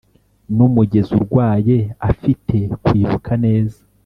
numugenzi urwaye afite kwibuka neza